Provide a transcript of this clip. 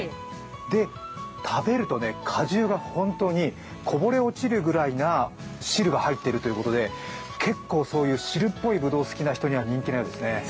で、食べると果汁が本当にこぼれ落ちるぐらいな汁が入っているというということで汁っぽいぶどうが好きな人に人気のようですね。